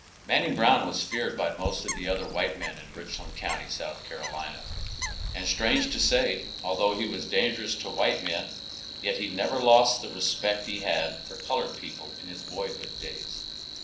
Manning Brown was feared by most of the other white men in Richland county, S.C., and, strange to say, although he was dangerous to white men, yet he never lost the respect he had for colored people in his boyhood days.